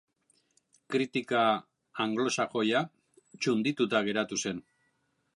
Kritika anglosaxoia txundituta geratu zen.